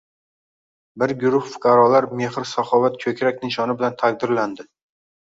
Bir guruh fuqarolar mehr-saxovat ko‘krak nishoni bilan taqdirlandi